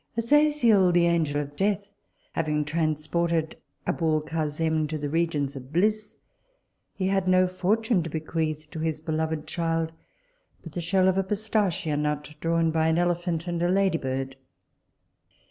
Azaziel, the angel of death, having transported Aboulcasem to the regions of bliss, he had no fortune to bequeath to his beloved child but the shell of a pistachia nut drawn by an elephant and a ladybird.